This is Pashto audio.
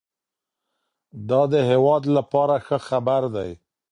دا د هېواد لپاره ښه خبر دی